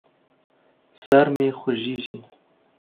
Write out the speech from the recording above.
سر مې خوږېږي.